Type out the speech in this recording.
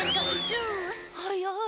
はっやい。